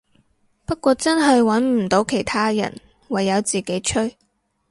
不過真係穩唔到其他人，唯有自己吹